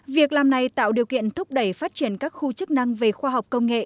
việc làm này tạo điều kiện thúc đẩy phát triển các khu chức năng về khoa học công nghệ